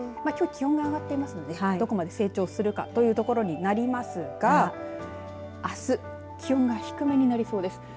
きょう気温が上がっていますのでどこまで成長するかというところになりますがあす気温が低めになりそうです。